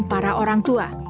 kepada orang tua